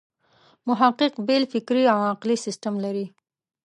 محقق بېل فکري او عقلي سیسټم لري.